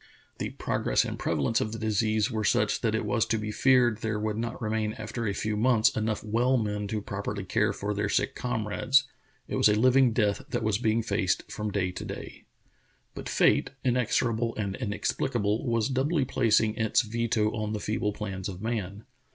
The progress and prevalence of the disease were such that it was to be 86 True Tales of Arctic Heroism feared there would not remain after a few months enough well men to properly care for their sick com rades. It was a living death that was being faced from day to day. But fate, inexorable and inexplicable, was doubly placing its veto on the feeble plans of man.